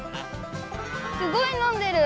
すごいのんでる。